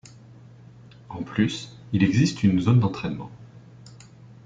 En plus, il existe une zone d'entraînement.